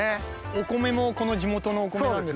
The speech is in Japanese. お米もこの地元のお米なんですか？